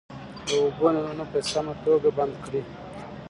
د اوبو نلونه په سمه توګه بند کړئ.